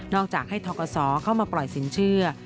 จากให้ทกศเข้ามาปล่อยสินเชื่อ